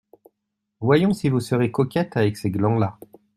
Voyons si vous serez coquette avec ces glands-là ?